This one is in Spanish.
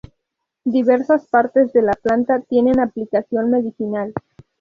Diversas partes de la planta tienen aplicación medicinal.